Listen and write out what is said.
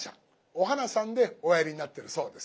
「お花さん」でおやりになっているそうです。